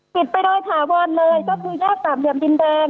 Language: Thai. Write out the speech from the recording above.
ปิดไปโดยถาวรเลยก็คือแยกสามเหลี่ยมดินแดง